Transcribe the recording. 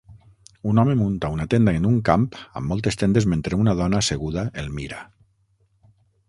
Un home munta una tenda en una camp amb moltes tendes mentre una dona asseguda el mira.